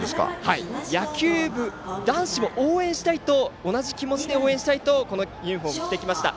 野球部、男子も同じ気持ちで応援したいとこのユニフォームを着てきました。